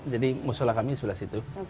jadi musulah kami sebelah situ